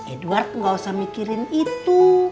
edward gak usah mikirin itu